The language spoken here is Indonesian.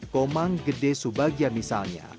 komang gede subagia misalnya